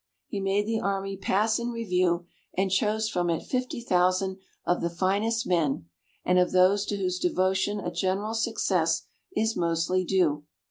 He made the army pass in review, and chose from it fifty thousand of the finest men, and of those to whose devotion a general's success is mostly due.